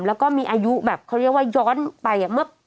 แล้วก็มีอายุแบบเขาเรียกว่าย้อนไปเมื่อ๑๗๐๐ปีก่อน